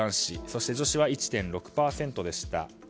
そして女子は１．６％でした。